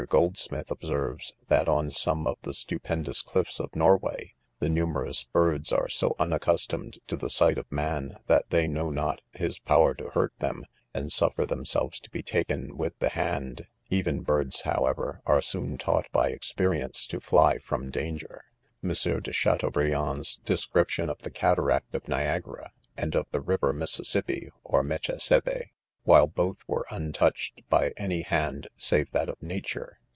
Goldsmith observes, that on some of the stupendous cliffs of Norway, the numerous birds are so unaccustomed to the sight of man, that they know not his power to hurt them, and suffer themselves to be taken with the hand , even birds, however, are Soon taught by experience to fly from danger, M. de Chateaubriand^ IC6 ^■234 NOTES. description of the eataract of Niagara and of the river Mississippi or "Mechacehe/ 5 while both were untouched by any hand save that of Nature.